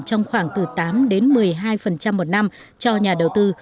trong khoảng từ tám đến một mươi hai một năm cho nhà đầu tư